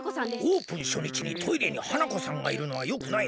オープンしょにちにトイレに花子さんがいるのはよくないな。